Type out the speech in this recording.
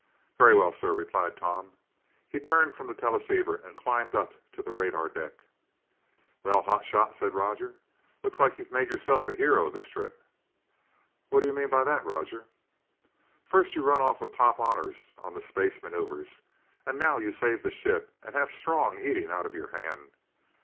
"Very well, sir," replied Tom. He turned from the teleceiver and climbed up to the radar deck. "Well, hot shot," said Roger, "looks like you've made yourself a hero this trip." "What do you mean by that, Roger?" "First, you run off with top honors on the space maneuvers, and now you save the ship and have Strong eating out of your hand!"